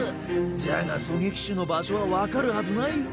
じゃが狙撃手の場所は分かるはずないけぇ。